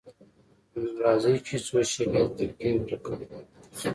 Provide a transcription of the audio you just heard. نو راځئ چې څو شېبې د تلقين پر کلمه تم شو.